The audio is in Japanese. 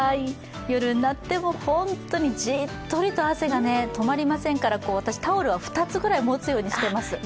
夜になっても、本当に、じっとりと汗が止まりませんから私、タオルは２つぐらい持つようにしています。